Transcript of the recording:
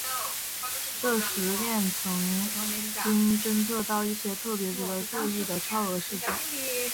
这实验曾经侦测到一些特别值得注意的超额事件。